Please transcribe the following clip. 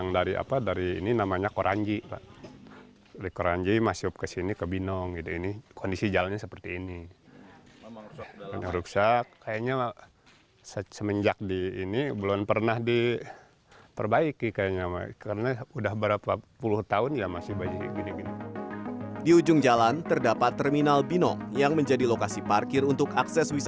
di ujung jalan terdapat terminal binong yang menjadi lokasi parkir untuk akses baduy dalam